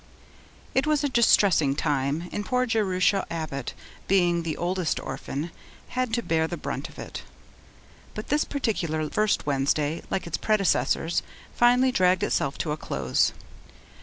It was a distressing time; and poor Jerusha Abbott, being the oldest orphan, had to bear the brunt of it. But this particular first Wednesday, like its predecessors, finally dragged itself to a close.